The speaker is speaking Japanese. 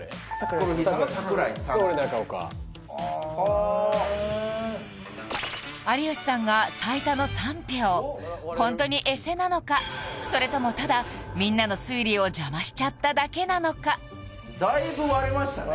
俺中岡はあええホントにエセなのかそれともただみんなの推理を邪魔しちゃっただけなのかだいぶ割れましたね